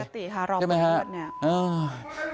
ปกติค่ะรอผลเลือดเนี่ย